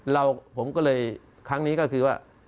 เราผมก็เลยครั้งนี้ก็คือว่า